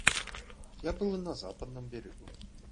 Я был и на Западном берегу.